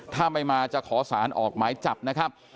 ถ้าไม่มาจะขอสารออกหมายจับนะครับ